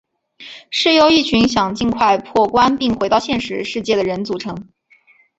是由一群想尽快破关并回到现实世界的人组成。